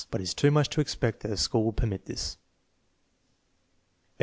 But it is too much to expect that the school will permit this.